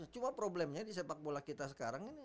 cuma problemnya di sepak bola kita sekarang ini